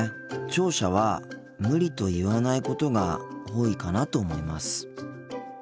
聴者は「無理」と言わないことが多いかなと思います。